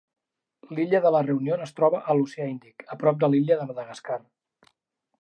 L'illa de la Reunió es troba a l'Oceà Índic, a prop de l'illa de Madagascar.